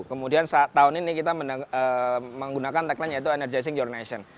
kemudian tahun ini kita menggunakan tagline energizing your nation